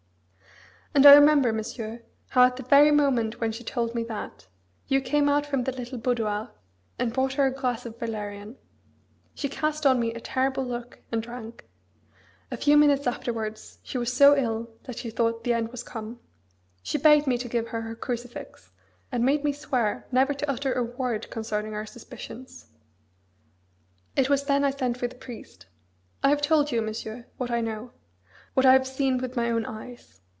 And I remember, Monsieur, how at the very moment when she told me that, you came out from the little boudoir, and brought her a glass of valerian. She cast on me a terrible look and drank. A few minutes afterwards she was so ill that she thought the end was come. She begged me to give her her crucifix, and made me swear never to utter a word concerning our suspicions. It was then I sent for the priest. I have told you, Monsieur, what I know; what I have seen with my own eyes.